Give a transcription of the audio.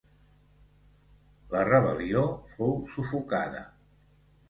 La rebel·lió fou sufocada.